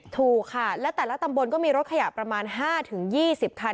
ถูกค่ะและแต่ละตำบลก็มีรถขยะประมาณ๕๒๐คัน